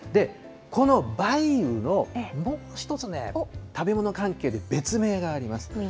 この梅雨のもう一つね、食べ物関係で別名があります。